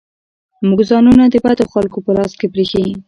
موږ ځانونه د بدو خلکو په لاس کې پرېښي.